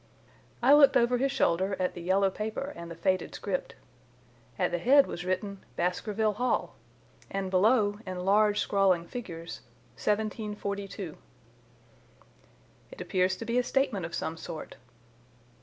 I looked over his shoulder at the yellow paper and the faded script. At the head was written: "Baskerville Hall," and below in large, scrawling figures: "1742." "It appears to be a statement of some sort."